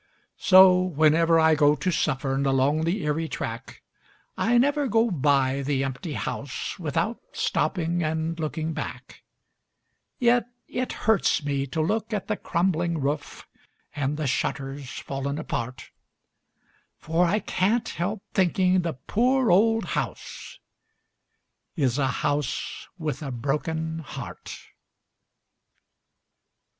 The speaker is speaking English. So whenever I go to Suffern along the Erie track I never go by the empty house without stopping and looking back, Yet it hurts me to look at the crumbling roof and the shutters fallen apart, For I can't help thinking the poor old house is a house with a broken heart.